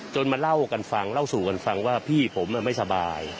มาเล่ากันฟังเล่าสู่กันฟังว่าพี่ผมไม่สบาย